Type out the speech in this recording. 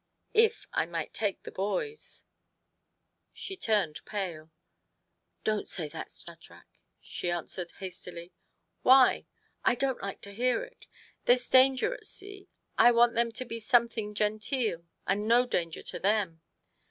" If I might take the boys." She turned pale. TO PLEASE HIS WIFE. 129 " Don't say that, Shadrach," she answered hastily. "Why?" " I don't like to hear it. There's danger at sea. I want them to be something genteel, and no danger to them.